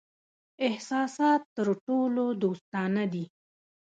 احساسات تر ټولو دوستانه دي.